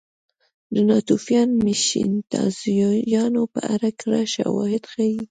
د ناتوفیان مېشتځایونو په اړه کره شواهد ښيي.